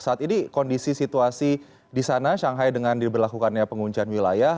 saat ini kondisi situasi di sana shanghai dengan diberlakukannya penguncian wilayah